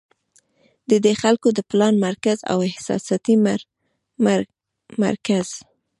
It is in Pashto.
د دې خلکو د پلان مرکز او احساساتي مرکز